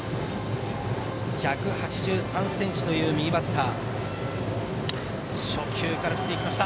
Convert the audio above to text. １８３ｃｍという右バッター。